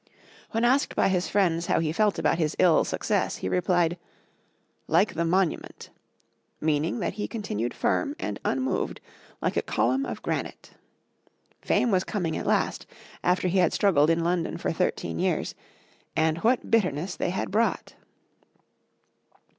When asked by his friends how he felt about his ill success, he replied, "Like the monument," meaning that he continued firm and unmoved, like a column of granite. Fame was coming at last, after he had struggled in London for thirteen years and what bitterness they had brought!